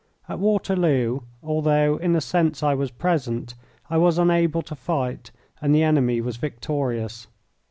At Waterloo, although, in a sense, I was present, I was unable to fight, and the enemy was victorious.